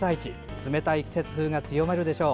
冷たい季節風が強まるでしょう。